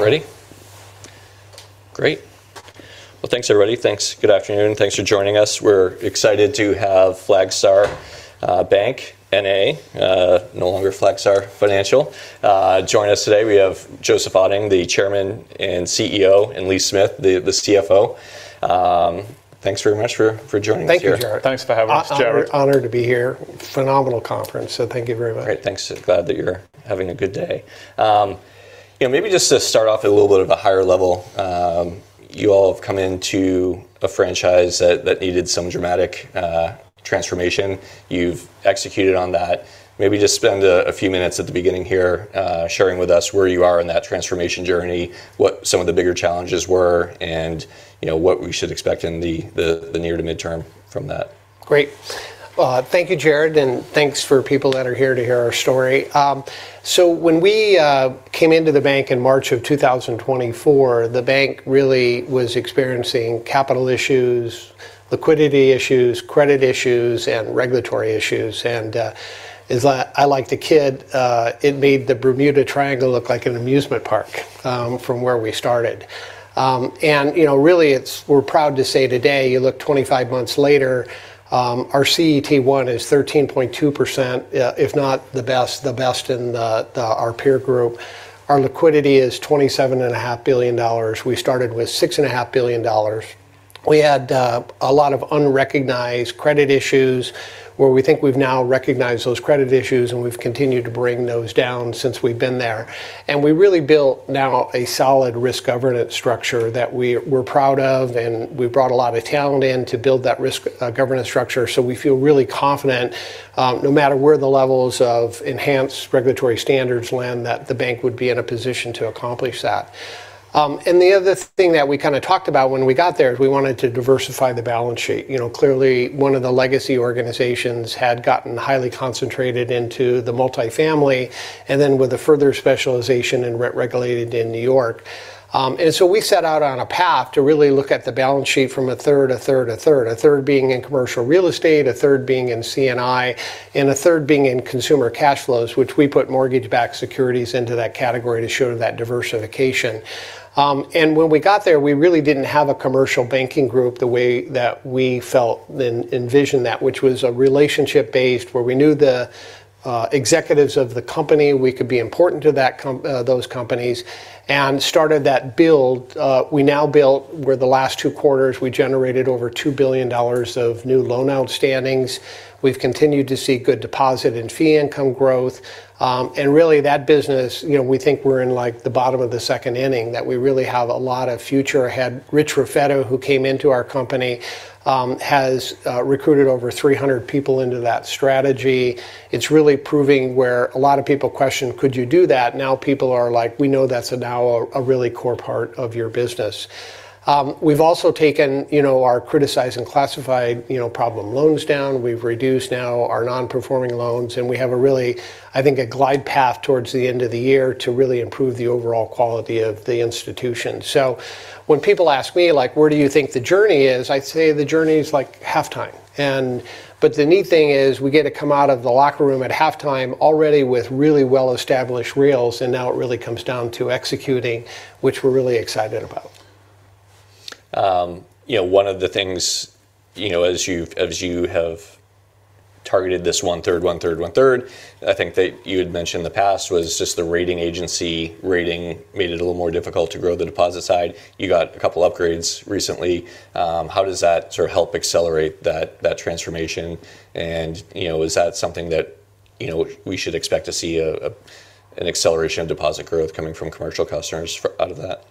Ready? Great. Thanks everybody. Thanks. Good afternoon. Thanks for joining us. We're excited to have Flagstar Bank, N.A., no longer Flagstar Financial. Joining us today we have Joseph Otting, the Chairman and CEO, and Lee Smith, the CFO. Thanks very much for joining us here. Thank you, Jared. Thanks for having us, Jared. Honored to be here. Phenomenal conference, so thank you very much. Great. Thanks. Glad that you're having a good day. You know, maybe just to start off at a little bit of a higher level, you all have come into a franchise that needed some dramatic transformation. You've executed on that. Maybe just spend a few minutes at the beginning here, sharing with us where you are in that transformation journey, what some of the bigger challenges were, and, you know, what we should expect in the near to midterm from that. Great. Thank you, Jared, and thanks for people that are here to hear our story. When we came into the bank in March of 2024, the bank really was experiencing capital issues, liquidity issues, credit issues, and regulatory issues. As I like to kid, it made the Bermuda Triangle look like an amusement park from where we started. You know, really We're proud to say today, you look 25 months later, our CET1 is 13.2%, if not the best, the best in our peer group. Our liquidity is $27.5 billion. We started with $6.5 billion. We had a lot of unrecognized credit issues where we think we've now recognized those credit issues, and we've continued to bring those down since we've been there. We really built now a solid risk governance structure that we're proud of, and we brought a lot of talent in to build that risk governance structure. We feel really confident, no matter where the levels of enhanced regulatory standards land, that the bank would be in a position to accomplish that. The other thing that we kind of talked about when we got there is we wanted to diversify the balance sheet. You know, clearly one of the legacy organizations had gotten highly concentrated into the multifamily, and then with a further specialization in rent regulated in New York. We set out on a path to really look at the balance sheet from a 1/3, a 1/3, a 1/3. A 1/3 being in commercial real estate, a 1/3 being in C&I, and a 1/3 being in consumer cash flows, which we put mortgage-backed securities into that category to show that diversification. When we got there, we really didn't have a commercial banking group the way that we felt and envisioned that, which was a relationship based where we knew the executives of the company, we could be important to those companies, and started that build. We now built where the last two quarters we generated over $2 billion of new loan outstandings. We've continued to see good deposit and fee income growth. Really that business, you know, we think we're in like the bottom of the second inning, that we really have a lot of future ahead. Rich Raffetto, who came into our company, has recruited over 300 people into that strategy. It's really proving where a lot of people questioned, Could you do that? Now people are like, We know that's now a really core part of your business. We've also taken, you know, our criticize and classified, you know, problem loans down. We've reduced now our non-performing loans. We have a really, I think, a glide path towards the end of the year to really improve the overall quality of the institution. When people ask me, like, Where do you think the journey is? I'd say the journey is, like, halftime. The neat thing is we get to come out of the locker room at halftime already with really well-established reels, and now it really comes down to executing, which we're really excited about. You know, one of the things, you know, as you have targeted this one third, one third, one third, I think that you had mentioned in the past was just the rating agency rating made it a little more difficult to grow the deposit side. You got a couple upgrades recently. How does that sort of help accelerate that transformation? you know, is that something that, you know, we should expect to see an acceleration of deposit growth coming from commercial customers out of that?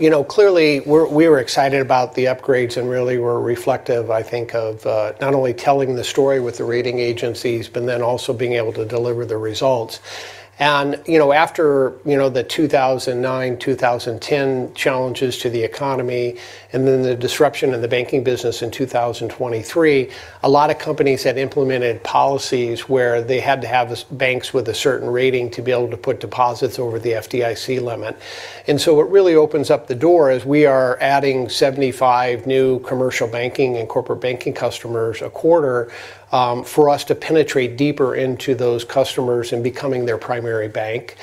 You know, clearly we're, we were excited about the upgrades, really were reflective, I think, of not only telling the story with the rating agencies, also being able to deliver the results. You know, after, you know, the 2009, 2010 challenges to the economy the disruption of the banking business in 2023, a lot of companies had implemented policies where they had to have the banks with a certain rating to be able to put deposits over the FDIC limit. It really opens up the door as we are adding 75 new commercial banking and corporate banking customers a quarter for us to penetrate deeper into those customers and becoming their primary bank.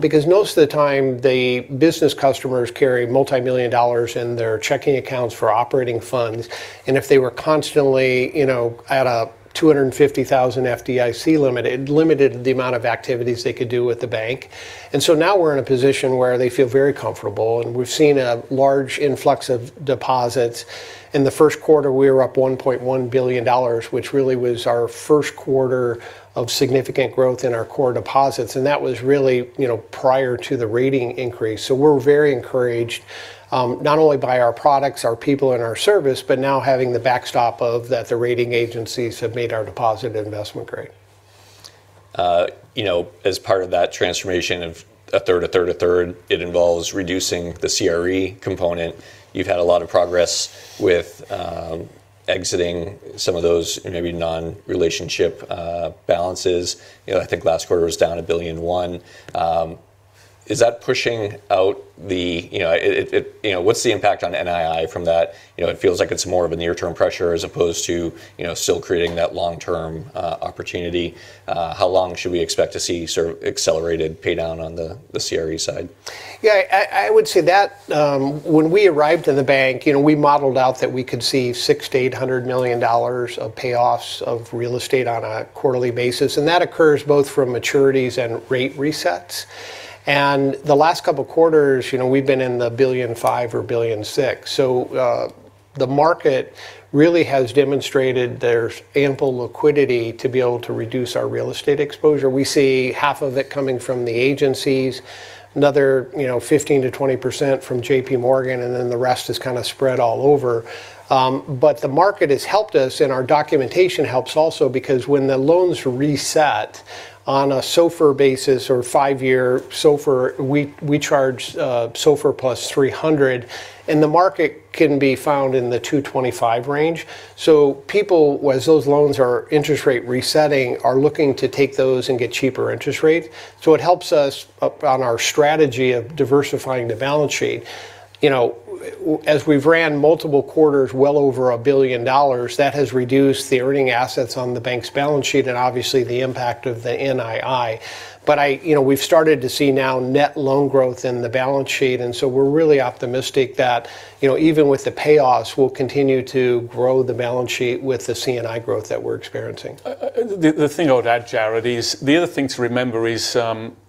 Because most of the time, the business customers carry multimillion dollars in their checking accounts for operating funds, and if they were constantly, you know, at a $250,000 FDIC limit, it limited the amount of activities they could do with the bank. Now we're in a position where they feel very comfortable, and we've seen a large influx of deposits. In the first quarter, we were up $1.1 billion, which really was our first quarter of significant growth in our core deposits, and that was really, you know, prior to the rating increase. We're very encouraged, not only by our products, our people, and our service, but now having the backstop of that the rating agencies have made our deposit investment grade. You know, as part of that transformation of a 1/3, a 1/3, a 1/3, it involves reducing the CRE component. You've had a lot of progress with exiting some of those maybe non-relationship balances. You know, I think last quarter was down $1.1 billion. Is that pushing out the You know, what's the impact on NII from that? You know, it feels like it's more of a near-term pressure as opposed to, you know, still creating that long-term opportunity. How long should we expect to see sort of accelerated pay down on the CRE side? I would say that, when we arrived in the bank, you know, we modeled out that we could see $600 million-$800 million of payoffs of real estate on a quarterly basis, and that occurs both from maturities and rate resets. The last couple quarters, you know, we've been in the $1.5 billion or $1.6 billion. The market really has demonstrated there's ample liquidity to be able to reduce our real estate exposure. We see 1/2 of it coming from the agencies, another, you know, 15%-20% from JPMorgan, the rest is kind of spread all over. The market has helped us, our documentation helps also because when the loans reset on a SOFR basis or five-year SOFR, we charge SOFR+300, the market can be found in the 225 range. People, as those loans are interest rate resetting, are looking to take those and get cheaper interest rate. You know, as we've ran multiple quarters well over $1 billion, that has reduced the earning assets on the bank's balance sheet and obviously the impact of the NII. You know, we've started to see now net loan growth in the balance sheet, and so we're really optimistic that, you know, even with the payoffs, we'll continue to grow the balance sheet with the C&I growth that we're experiencing. The thing I'd add, Jared, is the other thing to remember is,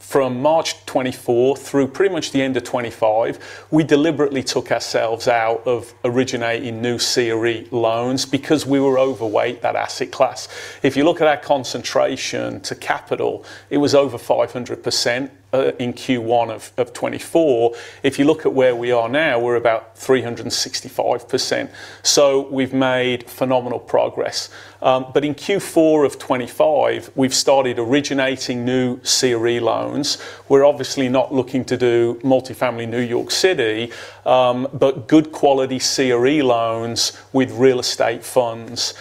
from March 2024 through pretty much the end of 2025, we deliberately took ourselves out of originating new CRE loans because we were overweight that asset class. If you look at our concentration to capital, it was over 500% in Q1 of 2024. If you look at where we are now, we're about 365%. We've made phenomenal progress. In Q4 of 2025, we've started originating new CRE loans. We're obviously not looking to do multifamily New York City, good quality CRE loans with real estate funds,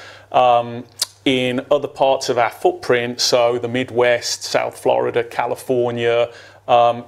in other parts of our footprint, the Midwest, South Florida, California,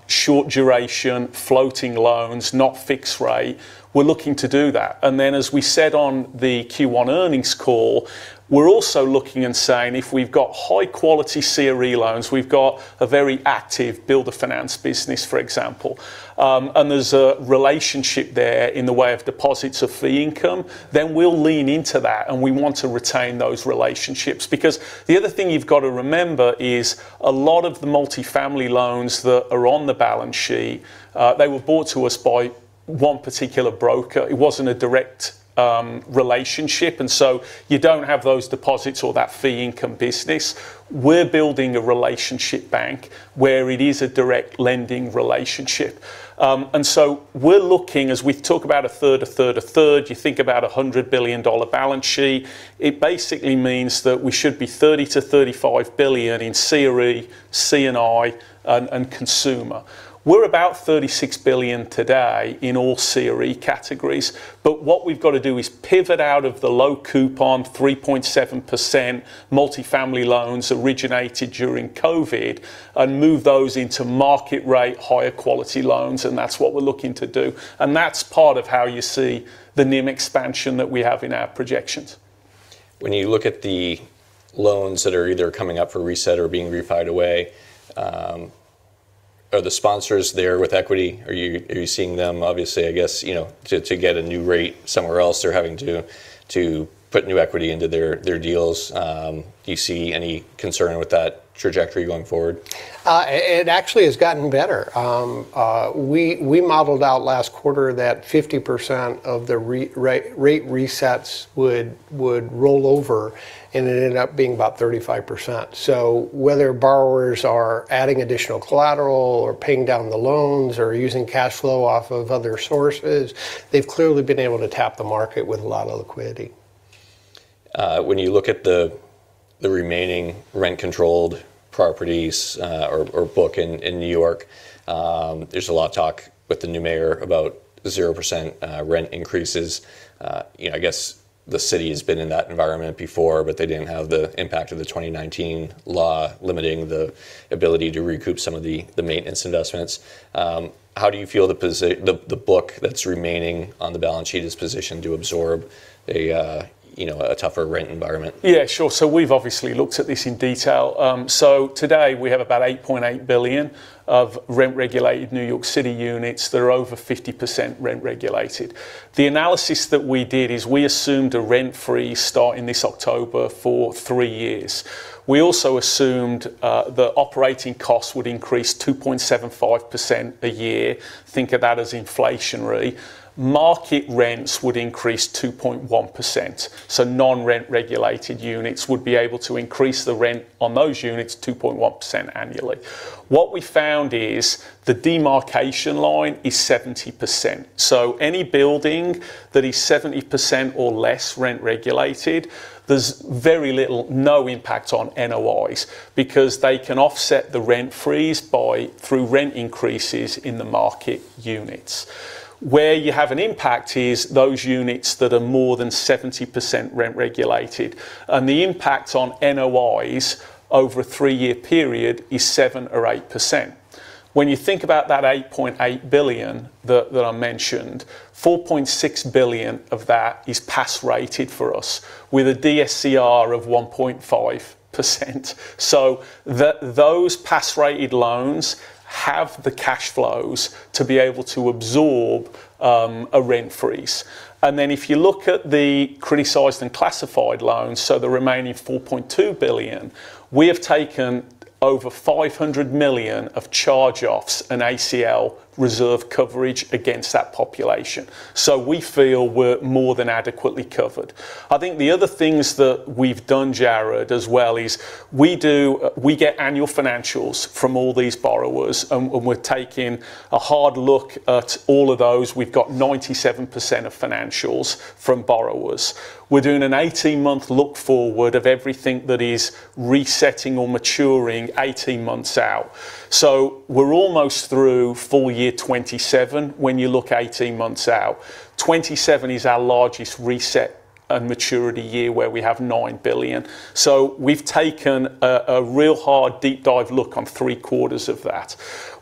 short duration, floating loans, not fixed rate. We're looking to do that. As we said on the Q1 earnings call, we're also looking and saying if we've got high quality CRE loans, we've got a very active builder finance business, for example, and there's a relationship there in the way of deposits of fee income, then we'll lean into that, and we want to retain those relationships. The other thing you've got to remember is a lot of the multifamily loans that are on the balance sheet, they were brought to us by one particular broker. It wasn't a direct relationship. You don't have those deposits or that fee income business. We're building a relationship bank where it is a direct lending relationship. We're looking, as we talk about a 1/3, a 1/3, a 1/3, you think about a $100 billion balance sheet, it basically means that we should be $30 billion-$35 billion in CRE, C&I, and consumer. We're about $36 billion today in all CRE categories, but what we've got to do is pivot out of the low coupon 3.7% multifamily loans originated during COVID and move those into market rate, higher quality loans, and that's what we're looking to do. That's part of how you see the NIM expansion that we have in our projections. When you look at the loans that are either coming up for reset or being refied away, are the sponsors there with equity? Are you seeing them, obviously, I guess, you know, to get a new rate somewhere else, they're having to put new equity into their deals? Do you see any concern with that trajectory going forward? It actually has gotten better. We modeled out last quarter that 50% of the re-rate, rate resets would roll over, and it ended up being about 35%. Whether borrowers are adding additional collateral or paying down the loans or using cash flow off of other sources, they've clearly been able to tap the market with a lot of liquidity. When you look at the remaining rent-controlled properties, or book in New York, there's a lot of talk with the new mayor about 0% rent increases. You know, I guess the city has been in that environment before, but they didn't have the impact of the 2019 law limiting the ability to recoup some of the maintenance investments. How do you feel the book that's remaining on the balance sheet is positioned to absorb a, you know, a tougher rent environment? Yeah, sure. We've obviously looked at this in detail. Today we have about $8.8 billion of rent-regulated New York City units that are over 50% rent-regulated. The analysis that we did is we assumed a rent freeze starting this October for three years. We also assumed the operating costs would increase 2.75% a year. Think of that as inflationary. Market rents would increase 2.1%. Non-rent-regulated units would be able to increase the rent on those units 2.1% annually. What we found is the demarcation line is 70%. Any building that is 70% or less rent-regulated, there's very little, no impact on NOIs because they can offset the rent freeze through rent increases in the market units. Where you have an impact is those units that are more than 70% rent-regulated, and the impact on NOIs over a three-year period is 7% or 8%. When you think about that $8.8 billion that I mentioned, $4.6 billion of that is Pass rated for us with a DSCR of 1.5%. Those Pass rated loans have the cash flows to be able to absorb a rent freeze. If you look at the criticized and classified loans, the remaining $4.2 billion, we have taken over $500 million of charge-offs and ACL reserve coverage against that population. We feel we're more than adequately covered. I think the other things that we've done, Jared, as well is we get annual financials from all these borrowers. We're taking a hard look at all of those. We've got 97% of financials from borrowers. We're doing an 18-month look forward of everything that is resetting or maturing 18 months out. We're almost through full year 2027 when you look 18 months out. 2027 is our largest reset and maturity year where we have $9 billion. We've taken a real hard deep dive look on three-quarters of that.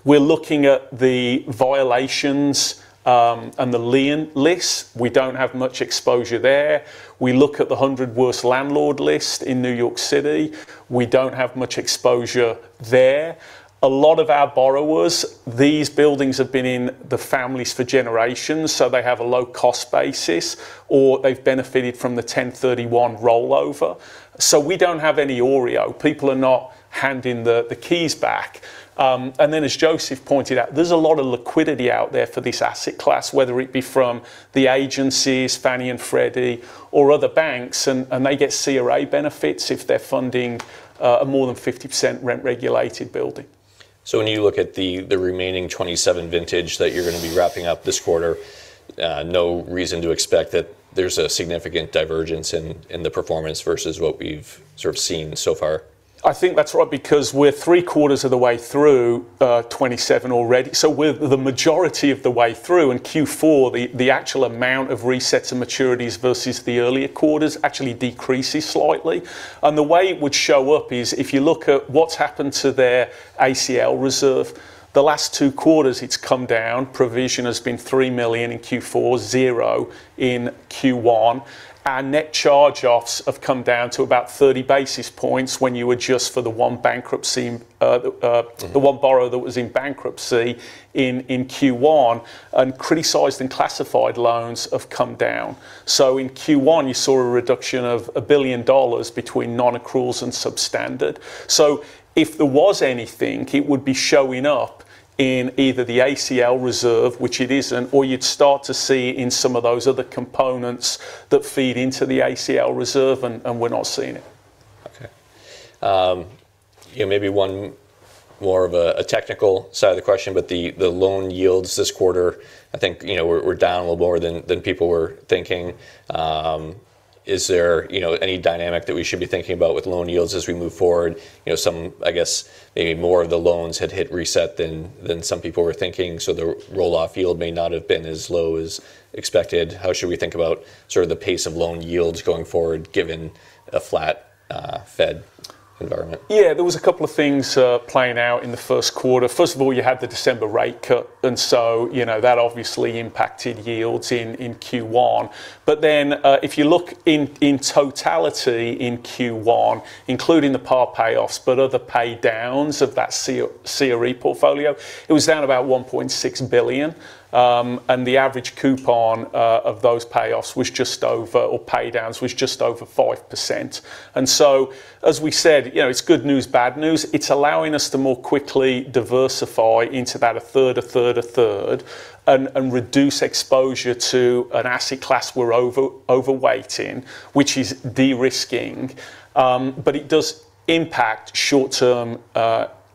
We're looking at the violations and the lien lists. We don't have much exposure there. We look at the 100 worst landlord list in New York City. We don't have much exposure there. A lot of our borrowers, these buildings have been in the families for generations, so they have a low-cost basis, or they've benefited from the 1031 rollover. We don't have any OREO. People are not handing the keys back. As Joseph pointed out, there's a lot of liquidity out there for this asset class, whether it be from the agencies, Fannie and Freddie, or other banks, and they get CRA benefits if they're funding a more than 50% rent-regulated building. When you look at the remaining 2027 vintage that you're gonna be wrapping up this quarter, no reason to expect that there's a significant divergence in the performance versus what we've sort of seen so far? I think that's right because we're three quarters of the way through 2027 already. We're the majority of the way through. In Q4, the actual amount of resets and maturities versus the earlier quarters actually decreases slightly. The way it would show up is if you look at what's happened to their ACL reserve, the last two quarters it's come down. Provision has been $3 million in Q4, $0 in Q1. Our net charge-offs have come down to about 30 basis points when you adjust for the one bankruptcy. The one borrower that was in bankruptcy in Q1, criticized and classified loans have come down. In Q1, you saw a reduction of $1 billion between non-accruals and substandard. If there was anything, it would be showing up in either the ACL reserve, which it isn't, or you'd start to see in some of those other components that feed into the ACL reserve, we're not seeing it. Okay. you know, maybe one more of a technical side of the question, but the loan yields this quarter, I think, you know, were down a little more than people were thinking. Is there, you know, any dynamic that we should be thinking about with loan yields as we move forward? You know, some, I guess, maybe more of the loans had hit reset than some people were thinking, so the roll-off yield may not have been as low as expected. How should we think about sort of the pace of loan yields going forward given a flat Fed environment? Yeah. There was a couple of things playing out in the first quarter. First of all, you had the December rate cut, you know, that obviously impacted yields in Q1. If you look in totality in Q1, including the par payoffs but other pay downs of that CRE portfolio, it was down about $1.6 billion. The average coupon of those payoffs was just over or pay downs was just over 5%. As we said, you know, it's good news, bad news. It's allowing us to more quickly diversify into about a 1/3, a 1/3, a 1/3, and reduce exposure to an asset class we're overweighting, which is de-risking. It does impact short-term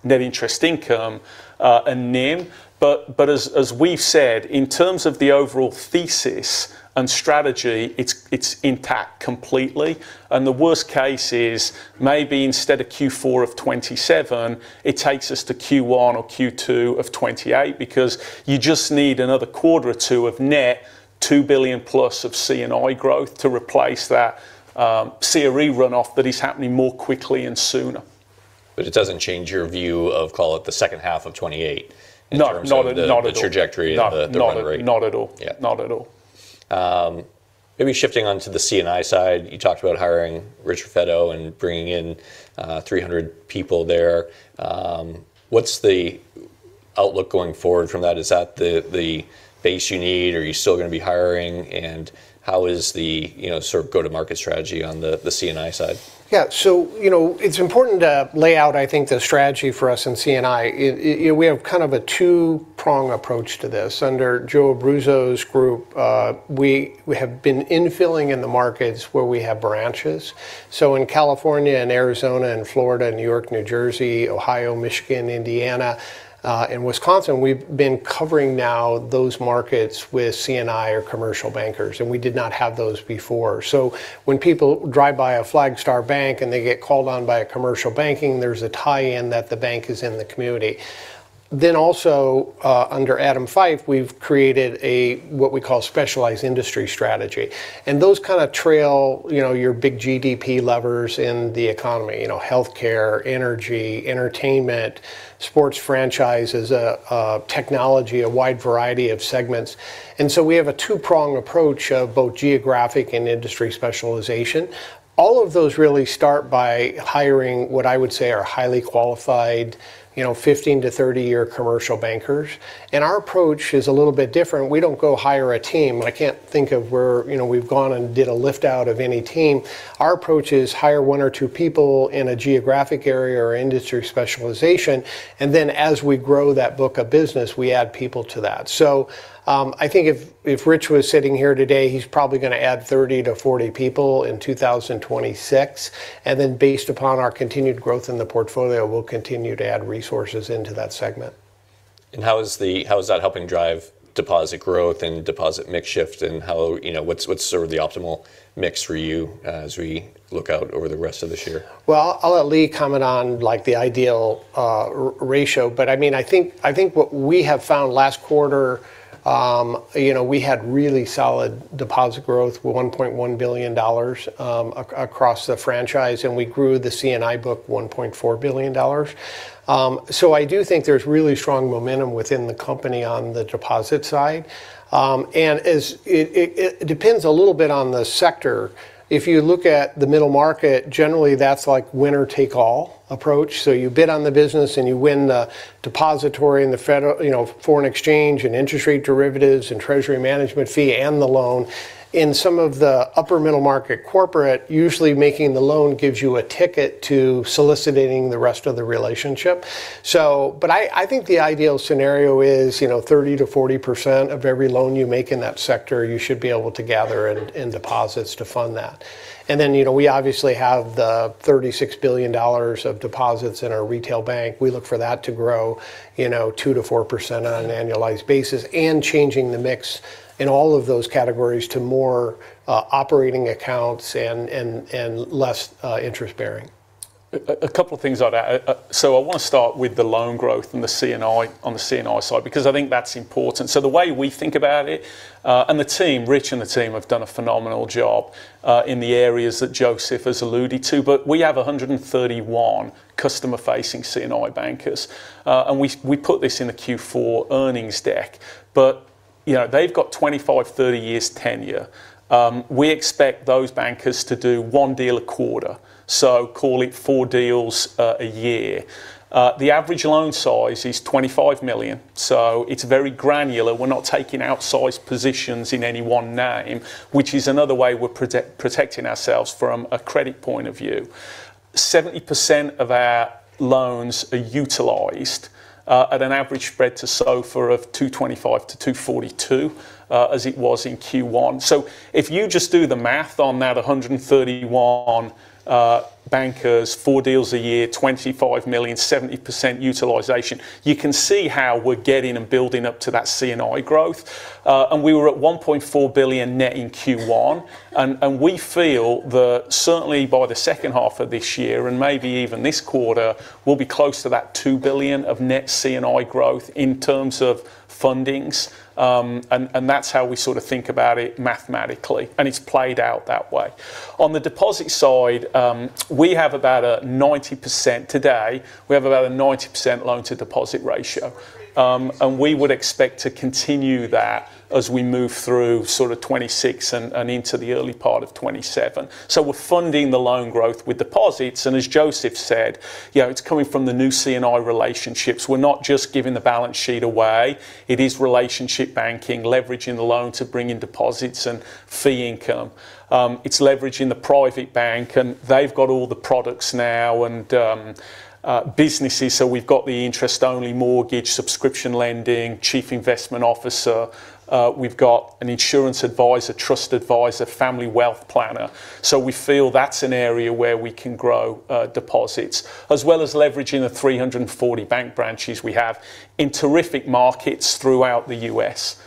net interest income and NIM. As we've said, in terms of the overall thesis and strategy, it's intact completely, and the worst case is maybe instead of Q4 2027, it takes us to Q1 or Q2 2028 because you just need another quarter or two of net $2+ billion of C&I growth to replace that, CRE runoff that is happening more quickly and sooner. It doesn't change your view of, call it, the second half of 2028. No. Not at all. In terms of the trajectory and the run rate. Not at all. Yeah. Not at all. Maybe shifting on to the C&I side. You talked about hiring Rich Raffetto and bringing in 300 people there. What's the outlook going forward from that? Is that the base you need? Are you still gonna be hiring? How is the sort of go-to-market strategy on the C&I side? Yeah. You know, it's important to lay out, I think, the strategy for us in C&I. You know, we have kind of a two-prong approach to this. Under Joe Abruzzo's group, we have been infilling in the markets where we have branches. In California and Arizona and Florida, New York, New Jersey, Ohio, Michigan, Indiana, and Wisconsin, we've been covering now those markets with C&I or commercial bankers, and we did not have those before. When people drive by a Flagstar Bank and they get called on by a commercial banking, there's a tie-in that the bank is in the community. Also, under Adam Feit, we've created a what we call specialized industry strategy, and those kind of trail, you know, your big GDP levers in the economy. You know, healthcare, energy, entertainment, sports franchises, technology, a wide variety of segments. We have a two-prong approach of both geographic and industry specialization. All of those really start by hiring what I would say are highly qualified, you know, 15-30-year commercial bankers. Our approach is a little bit different. We don't go hire a team. I can't think of where, you know, we've gone and did a lift out of any team. Our approach is hire one or two people in a geographic area or industry specialization, and then as we grow that book of business, we add people to that. I think if Rich was sitting here today, he's probably gonna add 30 people-40 people in 2026, and then based upon our continued growth in the portfolio, we'll continue to add resources into that segment. How is that helping drive deposit growth and deposit mix shift and how You know, what's sort of the optimal mix for you as we look out over the rest of this year? Well, I'll let Lee comment on, like, the ideal ratio. I mean, I think what we have found last quarter, you know, we had really solid deposit growth, $1.1 billion across the franchise, and we grew the C&I book $1.4 billion. I do think there's really strong momentum within the company on the deposit side. As it depends a little bit on the sector. If you look at the middle market, generally that's like winner take all approach. You bid on the business, and you win the depository and the foreign exchange and interest rate derivatives and treasury management fee and the loan. In some of the upper middle market corporate, usually making the loan gives you a ticket to soliciting the rest of the relationship. I think the ideal scenario is, you know, 30%-40% of every loan you make in that sector you should be able to gather in deposits to fund that. We obviously have the $36 billion of deposits in our retail bank. We look for that to grow, you know, 2%-4% on an annualized basis, and changing the mix in all of those categories to more operating accounts and less interest bearing. Couple things on that. I want to start with the loan growth and the C&I, on the C&I side because I think that's important. The way we think about it, and the team, Rich and the team have done a phenomenal job, in the areas that Joseph has alluded to, but we have 131 customer-facing C&I bankers. And we put this in the Q4 earnings deck, but, you know, they've got 25 years, 30 years tenure. We expect those bankers to do one deal a quarter, so call it four deals a year. The average loan size is $25 million, so it's very granular. We're not taking outsized positions in any one name, which is another way we're protecting ourselves from a credit point of view. 70% of our loans are utilized at an average spread to SOFR of 225-242 as it was in Q1. If you just do the math on that, 131 bankers, four deals a year, $25 million, 70% utilization, you can see how we're getting and building up to that C&I growth. We were at $1.4 billion net in Q1. We feel that certainly by the second half of this year, and maybe even this quarter, we'll be close to that $2 billion of net C&I growth in terms of fundings. That's how we sort of think about it mathematically, and it's played out that way. On the deposit side, we have about a 90% today. We have about a 90% loan to deposit ratio. We would expect to continue that as we move through sort of 2026 and into the early part of 2027. We're funding the loan growth with deposits, and as Joseph said, you know, it's coming from the new C&I relationships. We're not just giving the balance sheet away. It is relationship banking, leveraging the loan to bring in deposits and fee income. It's leveraging the private bank, and they've got all the products now and businesses, so we've got the interest only mortgage, subscription lending, chief investment officer. We've got an insurance advisor, trust advisor, family wealth planner. We feel that's an area where we can grow deposits, as well as leveraging the 340 bank branches we have in terrific markets throughout the U.S.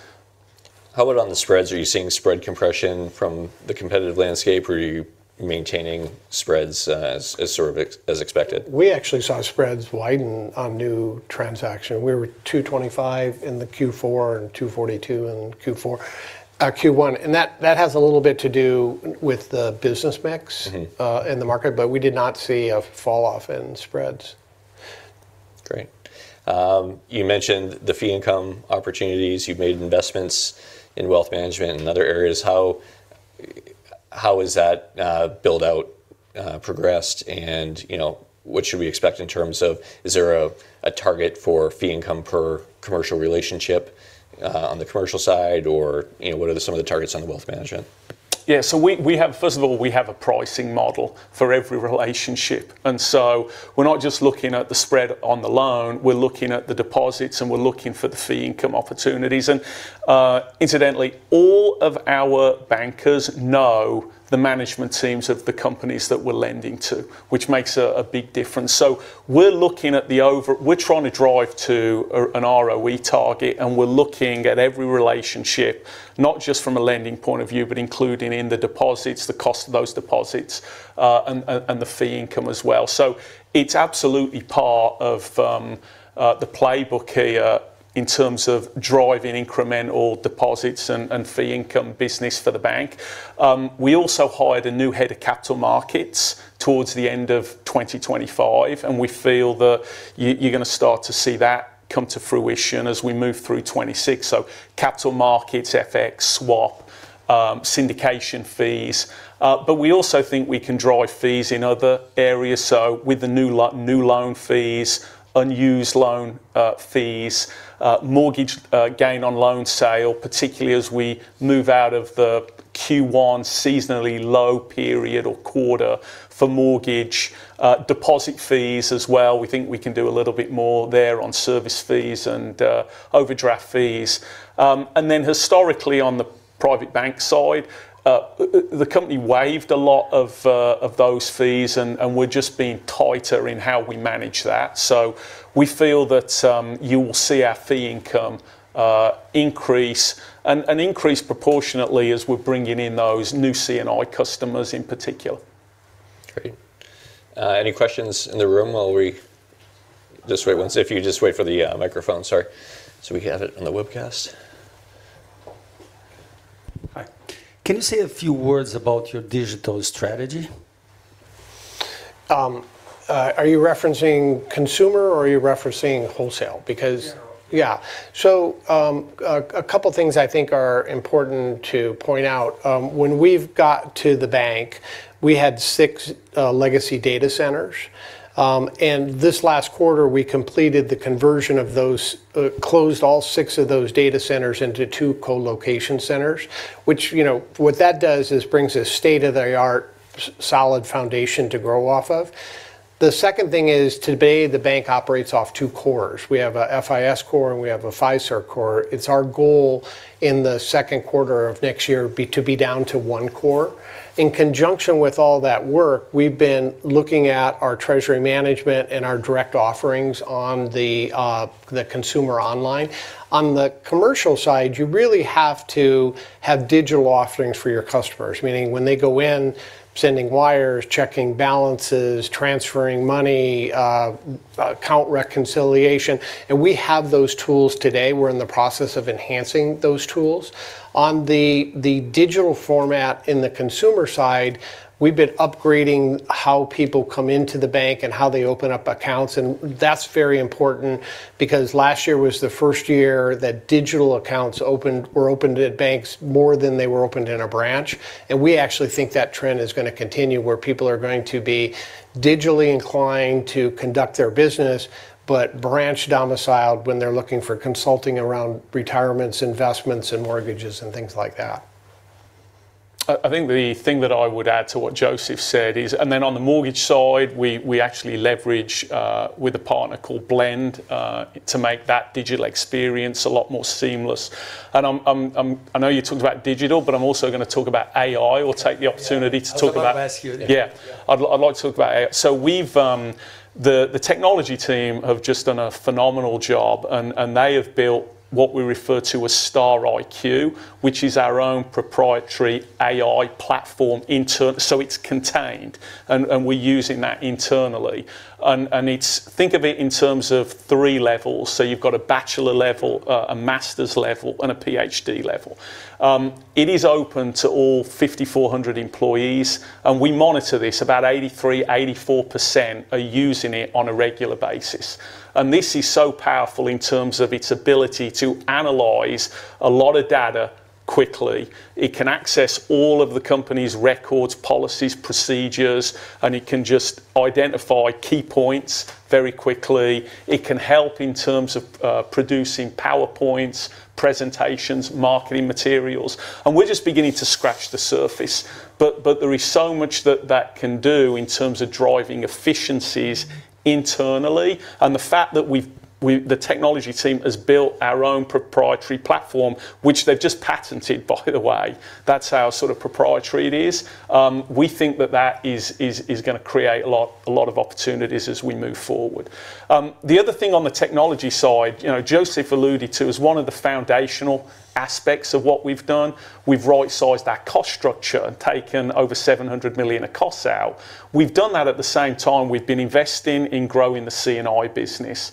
How about on the spreads? Are you seeing spread compression from the competitive landscape? Are you maintaining spreads as expected? We actually saw spreads widen on new transaction. We were 225 in the Q4 and 242 in Q1, and that has a little bit to do with the business mix in the market, but we did not see a fall off in spreads. Great. You mentioned the fee income opportunities. You've made investments in wealth management and other areas. How is that build out progressed and, you know, what should we expect in terms of is there a target for fee income per commercial relationship on the commercial side, or, you know, what are some of the targets on the wealth management? We have a pricing model for every relationship. We're not just looking at the spread on the loan, we're looking at the deposits, and we're looking for the fee income opportunities. Incidentally, all of our bankers know the management teams of the companies that we're lending to, which makes a big difference. We're looking at the over- we're trying to drive to an ROE target, and we're looking at every relationship, not just from a lending point of view, but including in the deposits, the cost of those deposits, and the fee income as well. It's absolutely part of the playbook here in terms of driving incremental deposits and fee income business for the bank. We also hired a new head of capital markets towards the end of 2025, and we feel that you're gonna start to see that come to fruition as we move through 2026. Capital markets, FX, swap, syndication fees. We also think we can drive fees in other areas. With the new loan fees, unused loan fees, mortgage, gain on loan sale, particularly as we move out of the Q1 seasonally low period or quarter for mortgage. Deposit fees as well, we think we can do a little bit more there on service fees and overdraft fees. Historically on the private bank side, the company waived a lot of those fees and we're just being tighter in how we manage that. We feel that, you will see our fee income, increase and increase proportionately as we're bringing in those new C&I customers in particular. Great. Any questions in the room while we Just wait one sec. If you could just wait for the microphone, sorry, so we can have it on the webcast. Hi. Can you say a few words about your digital strategy? Are you referencing consumer or are you referencing wholesale? General. A couple things I think are important to point out. When we've got to the bank, we had six legacy data centers. This last quarter, we completed the conversion of those, closed all six of those data centers into two co-location centers, which, you know, what that does is brings a state-of-the-art solid foundation to grow off of. The second thing is, today the bank operates off two cores. We have a FIS core and we have a Fiserv core. It's our goal in the second quarter of next year to be down to one core. In conjunction with all that work, we've been looking at our treasury management and our direct offerings on the consumer online. On the commercial side, you really have to have digital offerings for your customers, meaning when they go in, sending wires, checking balances, transferring money, account reconciliation. We have those tools today. We're in the process of enhancing those tools. On the digital format in the consumer side, we've been upgrading how people come into the bank and how they open up accounts. That's very important because last year was the first year that digital accounts opened, were opened at banks more than they were opened in a branch. We actually think that trend is gonna continue, where people are going to be digitally inclined to conduct their business, but branch domiciled when they're looking for consulting around retirements, investments, and mortgages, and things like that. I think the thing that I would add to what Joseph said is, then on the mortgage side, we actually leverage with a partner called Blend to make that digital experience a lot more seamless. I'm, I know you talked about digital, but I'm also gonna talk about AI. Yeah. I was about to ask you that. Yeah. Yeah. I'd like to talk about AI. The technology team have just done a phenomenal job and they have built what we refer to as StarIQ, which is our own proprietary AI platform so it's contained and we're using that internally. Think of it in terms of three levels. You've got a bachelor level, a master's level, and a PhD level. It is open to all 5,400 employees, and we monitor this. About 83%-84% are using it on a regular basis. This is so powerful in terms of its ability to analyze a lot of data quickly. It can access all of the company's records, policies, procedures, and it can just identify key points very quickly. It can help in terms of producing PowerPoints, presentations, marketing materials, and we're just beginning to scratch the surface. There is so much that that can do in terms of driving efficiencies internally. The fact that we've the technology team has built our own proprietary platform, which they've just patented, by the way, that's how sort of proprietary it is. We think that that is gonna create a lot of opportunities as we move forward. The other thing on the technology side, you know, Joseph alluded to, is one of the foundational aspects of what we've done. We've right-sized our cost structure and taken over $700 million of costs out. We've done that at the same time we've been investing in growing the C&I business,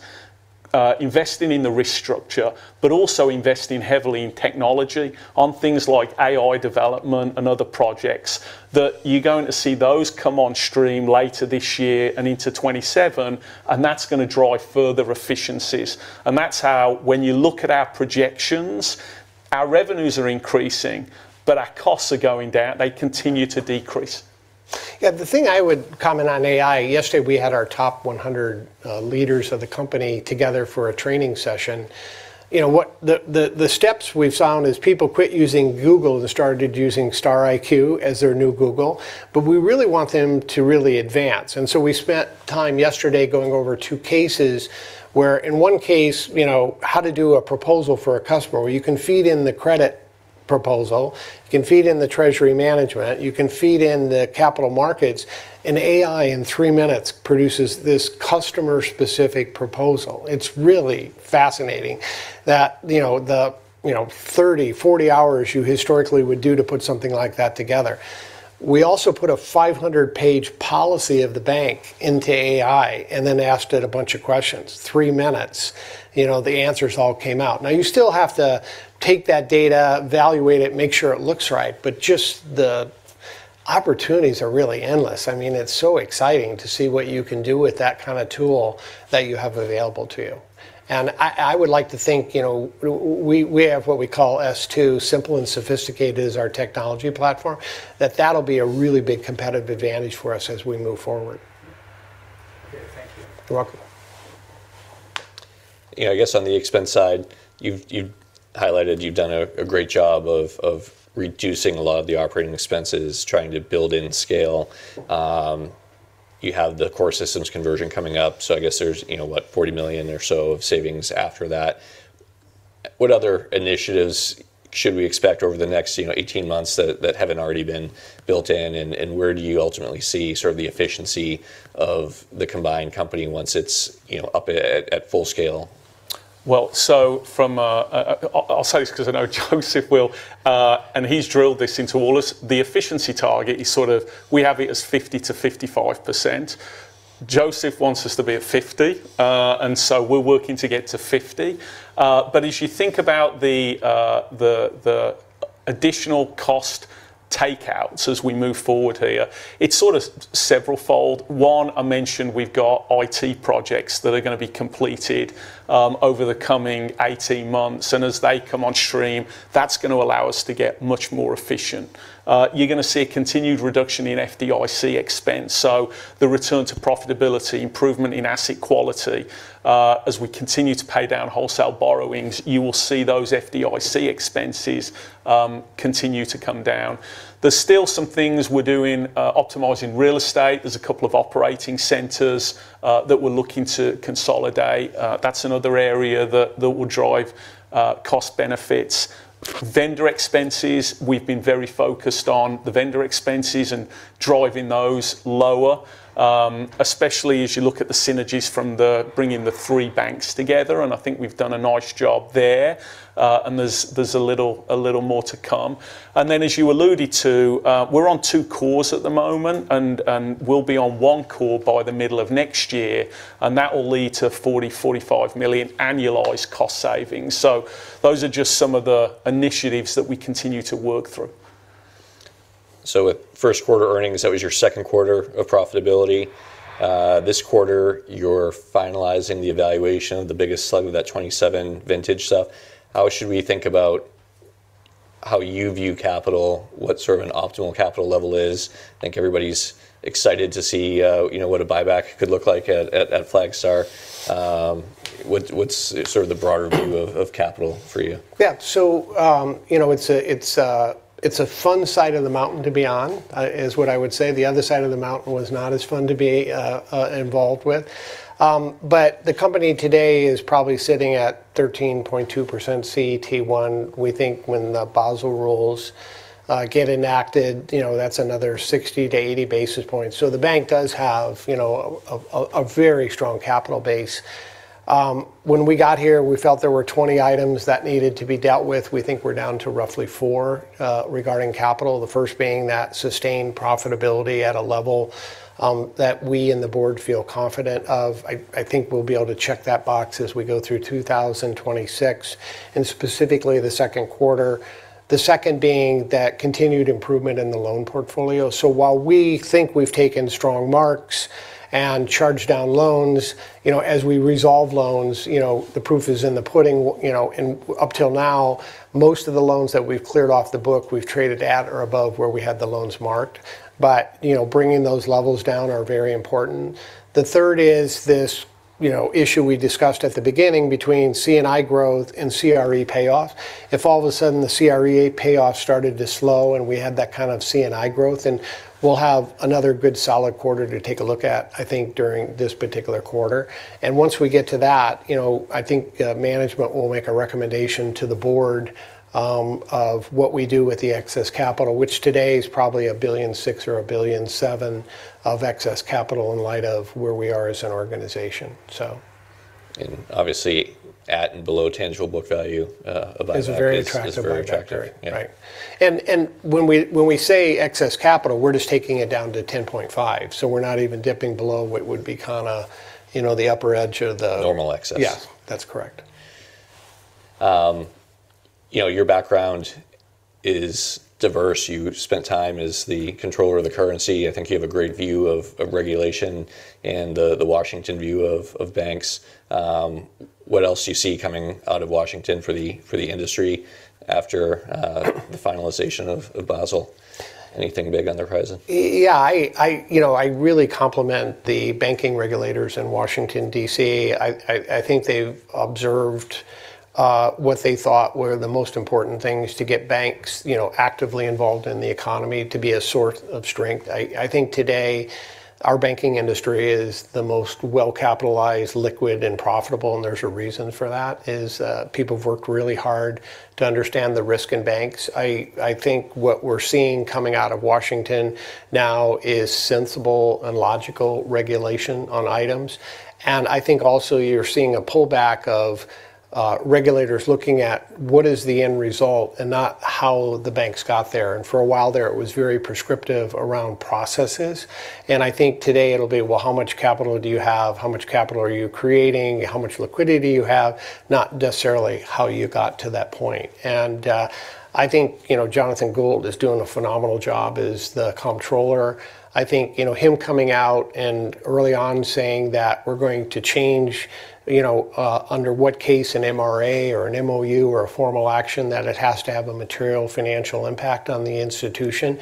investing in the risk structure, but also investing heavily in technology on things like AI development and other projects that you're going to see those come on stream later this year and into 2027, that's going to drive further efficiencies. That's how when you look at our projections, our revenues are increasing, but our costs are going down. They continue to decrease. Yeah, the thing I would comment on AI, yesterday we had our top 100 leaders of the company together for a training session. You know what, the steps we've found is people quit using Google and started using StarIQ as their new Google. We really want them to really advance. We spent time yesterday going over two cases where in one case, you know, how to do a proposal for a customer, where you can feed in the credit proposal, you can feed in the treasury management, you can feed in the capital markets, and AI in three minutes produces this customer-specific proposal. It's really fascinating that, you know, the 30 hours, 40 hours you historically would do to put something like that together. We also put a 500-page policy of the bank into AI then asked it a bunch of questions. Three minutes, you know, the answers all came out. Now you still have to take that data, evaluate it, make sure it looks right. Just the opportunities are really endless. I mean, it's so exciting to see what you can do with that kind of tool that you have available to you. I would like to think, you know, we have what we call S2, Simple and Sophisticated, is our technology platform. That'll be a really big competitive advantage for us as we move forward. Okay. Thank you. You're welcome. Yeah, I guess on the expense side, you've highlighted you've done a great job of reducing a lot of the operating expenses, trying to build in scale. You have the core systems conversion coming up, so I guess there's, you know, what, $40 million or so of savings after that. What other initiatives should we expect over the next, you know, 18 months that haven't already been built in, and where do you ultimately see sort of the efficiency of the combined company once it's, you know, up at full scale? I'll say this because I know Joseph will, and he's drilled this into all of us. The efficiency target, we have it as 50%-55%. Joseph wants us to be at 50%. We're working to get to 50%. As you think about the additional cost takeouts as we move forward here, it's several-fold. One, I mentioned we've got IT projects that are gonna be completed over the coming 18 months. As they come on stream, that's gonna allow us to get much more efficient. You're gonna see a continued reduction in FDIC expense. The return to profitability, improvement in asset quality. As we continue to pay down wholesale borrowings, you will see those FDIC expenses continue to come down. There's still some things we're doing, optimizing real estate. There's a couple of operating centers that we're looking to consolidate. That's another area that will drive cost benefits. Vendor expenses, we've been very focused on the vendor expenses and driving those lower, especially as you look at the synergies from the bringing the three banks together, and I think we've done a nice job there. And there's a little more to come. As you alluded to, we're on two cores at the moment and we'll be on one core by the middle of next year, and that will lead to $40 million-$45 million annualized cost savings. Those are just some of the initiatives that we continue to work through. With first quarter earnings, that was your second quarter of profitability. This quarter you're finalizing the evaluation of the biggest slug of that 2027 vintage stuff. How should we think about how you view capital? What sort of an optimal capital level is? I think everybody's excited to see, you know, what a buyback could look like at Flagstar. What's sort of the broader view of capital for you? You know, it's a fun side of the mountain to be on, is what I would say. The other side of the mountain was not as fun to be involved with. The company today is probably sitting at 13.2% CET1. We think when the Basel rules get enacted, you know, that's another 60 basis points to 80 basis points. The bank does have, you know, a very strong capital base. When we got here, we felt there were 20 items that needed to be dealt with. We think we're down to roughly four regarding capital. The first being that sustained profitability at a level that we and the board feel confident of. I think we'll be able to check that box as we go through 2026, and specifically the second quarter. The second being that continued improvement in the loan portfolio. While we think we've taken strong marks and charged down loans, you know, as we resolve loans, you know, the proof is in the pudding. You know, up 'til now, most of the loans that we've cleared off the book we've traded at or above where we had the loans marked. You know, bringing those levels down are very important. The third is this, you know, issue we discussed at the beginning between C&I growth and CRE payoff. If all of a sudden the CRE payoff started to slow and we had that kind of C&I growth, then we'll have another good solid quarter to take a look at, I think, during this particular quarter. Once we get to that, you know, I think management will make a recommendation to the board of what we do with the excess capital, which today is probably $1.6 billion or $1.7 billion of excess capital in light of where we are as an organization. obviously at and below tangible book value. Is a very attractive buyback. Is very attractive. Yeah. Right. When we say excess capital, we're just taking it down to 10.5. We're not even dipping below what would be kinda, you know, the upper edge. Normal excess. Yeah. That's correct. You know, your background is diverse. You've spent time as the Comptroller of the Currency. I think you have a great view of regulation and the Washington view of banks. What else do you see coming out of Washington for the industry after. The finalization of Basel. Anything big on the horizon? Yeah, I, you know, I really compliment the banking regulators in Washington, D.C. I think they've observed what they thought were the most important things to get banks, you know, actively involved in the economy to be a source of strength. I think today our banking industry is the most well-capitalized, liquid, and profitable, and there's a reason for that, is people have worked really hard to understand the risk in banks. I think what we're seeing coming out of Washington now is sensible and logical regulation on items. I think also you're seeing a pullback of regulators looking at what is the end result and not how the banks got there. For a while there, it was very prescriptive around processes, and I think today it'll be, well, how much capital do you have? How much capital are you creating? How much liquidity you have? Not necessarily how you got to that point. I think, you know, Jonathan Gould is doing a phenomenal job as the Comptroller. I think, you know, him coming out and early on saying that we're going to change, you know, under what case an MRA or an MOU or a formal action that it has to have a material financial impact on the institution,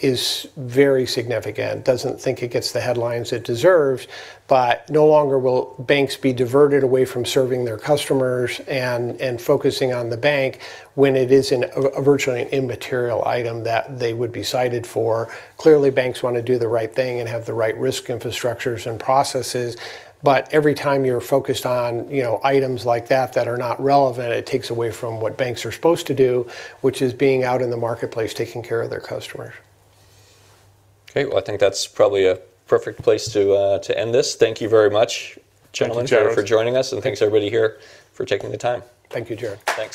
is very significant. Doesn't think it gets the headlines it deserves, no longer will banks be diverted away from serving their customers and focusing on the bank when it is an virtually an immaterial item that they would be cited for. Clearly, banks wanna do the right thing and have the right risk infrastructures and processes, but every time you're focused on, you know, items like that that are not relevant, it takes away from what banks are supposed to do, which is being out in the marketplace taking care of their customers. Well, I think that's probably a perfect place to end this. Thank you very much, gentlemen. Thank you, Jared. for joining us, and thanks everybody here for taking the time. Thank you, Jared. Thanks.